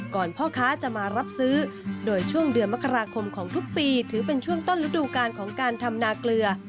พ่อค้าจะมารับซื้อโดยช่วงเดือนมกราคมของทุกปีถือเป็นช่วงต้นฤดูการของการทำนาเกลือ